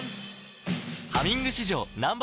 「ハミング」史上Ｎｏ．